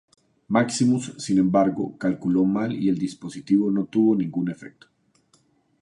Maximus, sin embargo, calculó mal y el dispositivo no tuvo ningún efecto.